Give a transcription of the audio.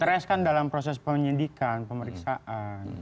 stres kan dalam proses penyidikan pemeriksaan